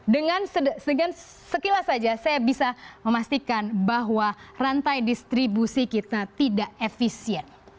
dengan sekilas saja saya bisa memastikan bahwa rantai distribusi kita tidak efisien